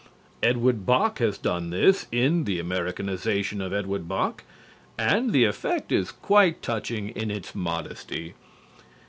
Edward Bok has done this in "The Americanization of Edward Bok" and the effect is quite touching in its modesty.